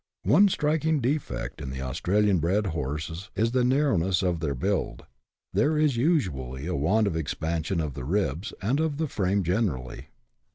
One striking defect in the Australian bred horses is the nar rowness of their " build ;" there is usually a want of expansion of the ribs and of the frame generally.